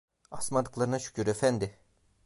Asmadıklarına şükür, efendi!